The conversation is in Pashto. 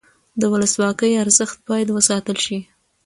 د ولسواکۍ ارزښت باید وساتل شي